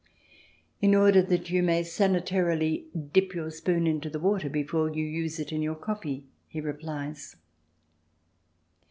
" In order that you may sanitarily dip your spoon into the water before you use it in your coffee," he replies.